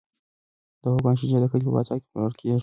د غواګانو شیدې د کلي په بازار کې پلورل کیږي.